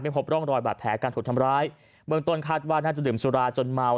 พบร่องรอยบาดแผลการถูกทำร้ายเบื้องต้นคาดว่าน่าจะดื่มสุราจนเมา